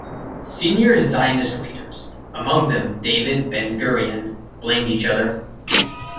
Senior Zionist leaders, among them David Ben-Gurion, blamed each other.